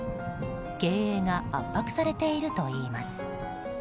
経営が圧迫されているといいます。